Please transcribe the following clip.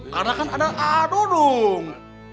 karena kan ada aduh dung